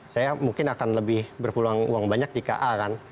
saya mungkin akan lebih berpeluang uang banyak jika a kan